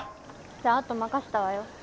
じゃああと任せたわよ。